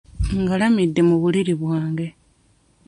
Ngalamidde ku buliri bwange.